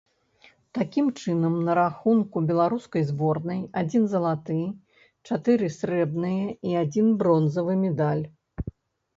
Такім чынам, на рахунку беларускай зборнай адзін залаты, чатыры срэбныя і адзін бронзавы медаль.